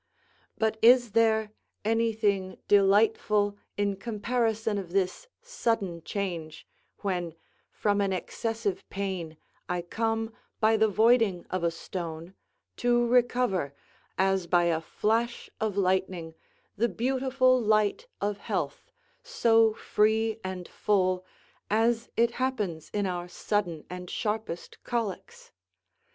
But is there anything delightful in comparison of this sudden change, when from an excessive pain, I come, by the voiding of a stone, to recover, as by a flash of lightning, the beautiful light of health, so free and full, as it happens in our sudden and sharpest colics?